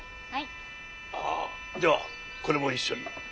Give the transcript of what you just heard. ああではこれも一緒に。